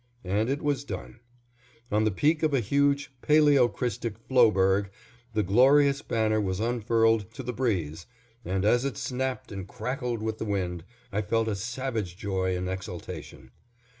_" and it was done; on the peak of a huge paleocrystic floeberg the glorious banner was unfurled to the breeze, and as it snapped and crackled with the wind, I felt a savage joy and exultation.